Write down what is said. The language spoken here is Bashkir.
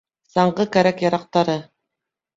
Саңғы кәрәк-ярҡтары